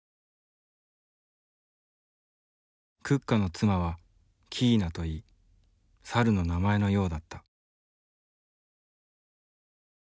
クッカの妻はキーナといい猿の名前のようだった。